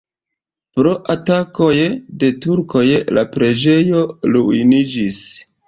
Pro atakoj de turkoj la preĝejo ruiniĝis.